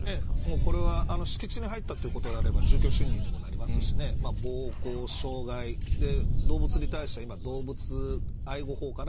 これは敷地に入ったということであれば住居侵入にもなりますし暴行、傷害動物に対しては今、動物愛護法かな。